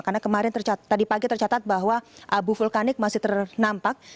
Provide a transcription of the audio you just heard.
karena kemarin tadi pagi tercatat bahwa abu vulkanik masih ternampak